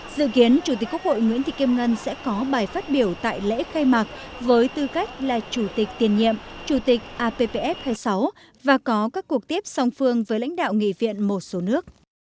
dự kiến chủ tịch quốc hội nguyễn thị kim ngân sẽ có bài phát biểu tại lễ khai mạc với tư cách là chủ tịch tiền nhiệm chủ tịch ippf hai mươi sáu và có các cuộc tiếp song phương với lãnh đạo nghị viện một số nước